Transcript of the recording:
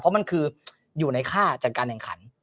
เพราะมันคืออยู่ในค่าจัดการแข่งขัน